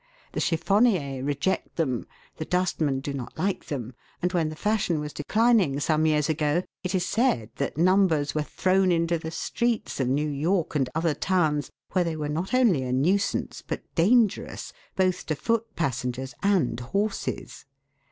The chiffoimicrs reject 308 THE WORLD'S LUMBER ROOM. them, the dustmen do not like them, and when the fashion was declining some years ago it is said that numbers were thrown into the streets of New York and other towns, where they were not only a nuisance, but dangerous, both to foot passengers and horses.